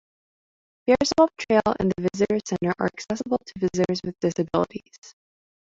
Bear Swamp Trail and the visitor center are accessible to visitors with disabilities.